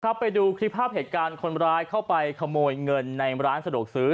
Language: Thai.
ไปดูคลิปภาพเหตุการณ์คนร้ายเข้าไปขโมยเงินในร้านสะดวกซื้อ